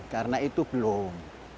karena itu belum